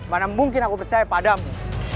mana mungkin aku percaya padamu